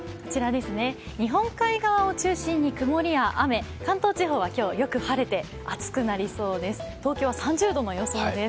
日本海側を中心に曇りや雨、関東地方は今日、よく晴れて暑くなりそうです。